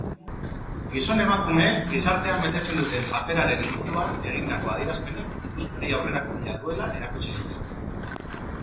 Gizon-emakumeek gizartean betetzen duten paperaren inguruan egindako adierazpenek ikuspegi aurrerakoia duela erakutsi dute.